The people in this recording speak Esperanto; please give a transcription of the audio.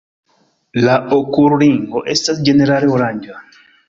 La okulringo estas ĝenerale oranĝa.